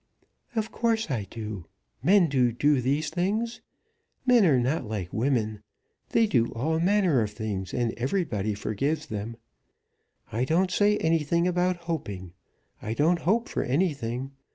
"Of course I should. Men do do those things. Men are not like women. They do all manner of things and everybody forgives them. I don't say anything about hoping. I don't hope for anything.